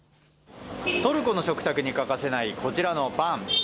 トルコの食卓に欠かせないこちらのパン。